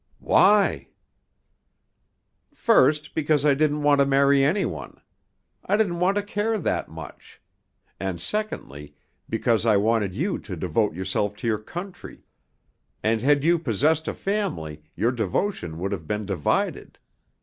"Why?" "First, because I didn't want to marry any one; I didn't want to care that much. And, secondly, because I wanted you to devote yourself to your country, and had you possessed a family your devotion would have been divided.